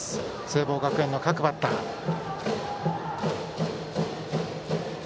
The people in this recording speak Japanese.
聖望学園の各バッターです。